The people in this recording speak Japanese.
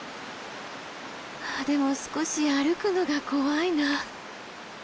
でも少し歩くのが怖いな。